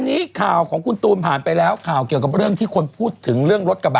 อีสานเหนือ